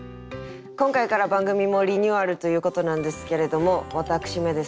今回から番組もリニューアルということなんですけれども私めですね